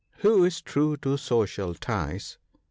Who is true to social ties ?